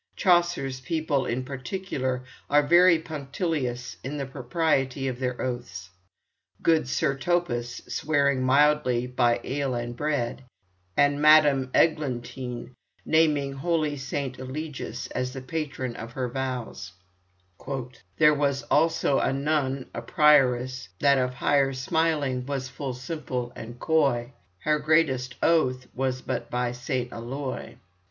Chaucer's people, in particular, are very punctilious in the propriety of their oaths; good Sir Thopas swearing mildly "by ale and bread," and Madame Eglantine naming holy Saint Eligius as the patron of her vows "There was also a nonne, a prioresse, That of hire smyling was ful symple and coy, Hire grettest oath was but by St. Eloy."